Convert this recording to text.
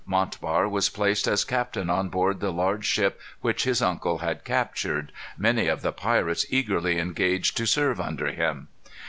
Montbar was placed as captain on board the large ship which his uncle had captured. Many of the pirates eagerly engaged to serve under him.